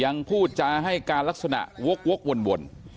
ยังพูดใช้การลักษณะรุกวน